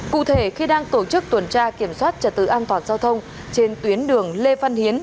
cụ thể khi đang tổ chức tuần tra kiểm soát trật tự an toàn giao thông trên tuyến đường lê văn hiến